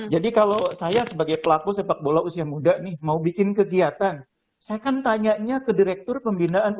jadi kalau saya sebagai pelaku sepak bola usia muda nih mau bikin kegiatan saya kan tanyanya ke direktur pembinaan usia muda